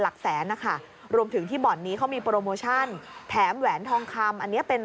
หลักแสนนะคะรวมถึงที่บ่อนนี้เขามีโปรโมชั่นแถมแหวนทองคำอันนี้เป็น